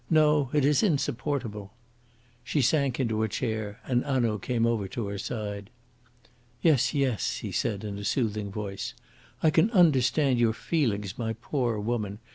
No, it is insupportable." She sank into her chair, and Hanaud came over to her side. "Yes, yes," he said, in a soothing voice. "I can understand your feelings, my poor woman.